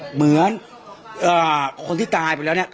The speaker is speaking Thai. เหมือนคนที่ตายไปแล้วเนี่ย